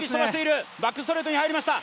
バックストレートに入りました。